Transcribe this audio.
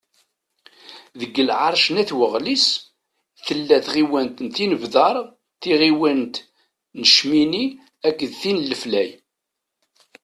Deg lεerc n At Waɣlis, tella tɣiwant n Tinebdar, taɣiwant n Cmini, akked tin n Leflay.